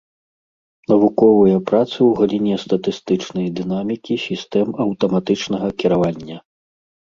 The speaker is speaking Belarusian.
Навуковыя працы ў галіне статыстычнай дынамікі сістэм аўтаматычнага кіравання.